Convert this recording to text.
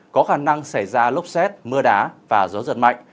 có khả năng xảy ra lốc xét mưa đá và gió giật mạnh